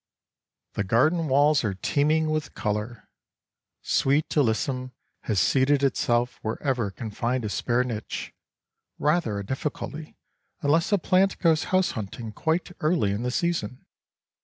The garden walls are teeming with colour. Sweet Alyssum has seeded itself wherever it can find a spare niche—rather a difficulty, unless a plant goes house hunting quite early in the season!